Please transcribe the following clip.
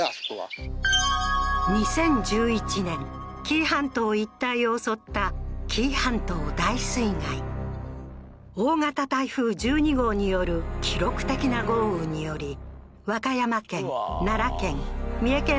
紀伊半島一帯を襲った紀伊半島大水害大型台風１２号による記録的な豪雨により和歌山県奈良県